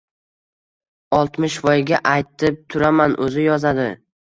Oltmishvoyga aytib turaman, o‘zi yozadi.